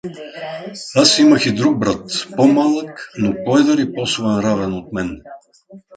Аз имах и други брат, по-малък, но по-едър и по-своенравен от мене.